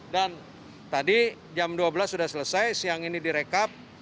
dan tadi jam dua belas sudah selesai siang ini direkap